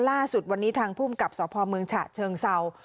ล่าสุดวันนี้ทางภูมิกับสพเมืองฉะเชิงเศร้า